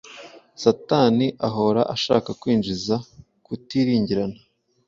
Satani ahora ashaka kwinjiza kutiringirana,